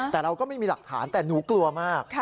แต่เราก็ไม่มีหลักฐานแต่หนูกลัวมาก